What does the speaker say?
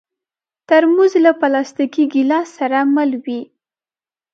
ترموز له پلاستيکي ګیلاس سره مل وي.